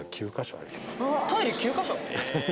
トイレ９か所！？